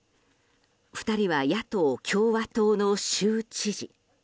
２人は野党・共和党の州知事。